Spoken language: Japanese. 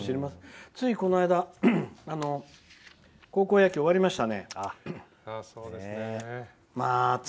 この間、高校野球が終わりました。